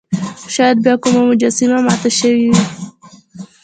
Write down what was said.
شاید بیا کومه مجسمه ماته شوې وي.